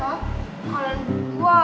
aku mau ke rumah